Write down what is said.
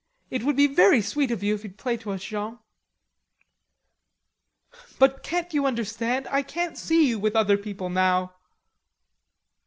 It would be very sweet of you, if you'd play to us, Jean." "But can't you understand? I can't see you with other people now."